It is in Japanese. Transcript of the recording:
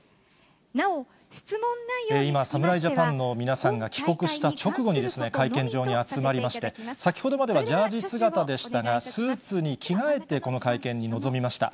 なお、侍ジャパンの皆さんが帰国した直後に会見場に集まりまして、先ほどまではジャージ姿でしたが、スーツに着替えてこの会見に臨みました。